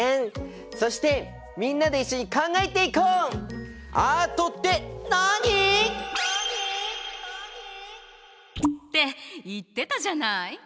そしてみんなで一緒に考えていこう！って言ってたじゃない！